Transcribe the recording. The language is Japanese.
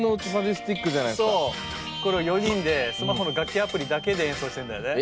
これを４人でスマホの楽器アプリだけで演奏してんだよね。